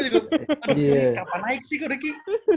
kapan naik sih kodiki